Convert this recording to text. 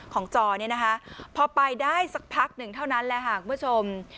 จอเนี่ยนะคะพอไปได้สักพักหนึ่งเท่านั้นแหละค่ะคุณผู้ชม